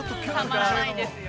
◆たまらないですよ。